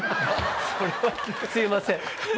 「それはすいません僕」。